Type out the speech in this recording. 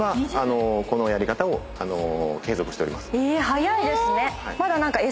早いですね。